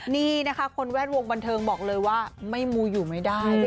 นี่นะคะคนแวดวงบันเทิงบอกเลยว่าไม่มูอยู่ไม่ได้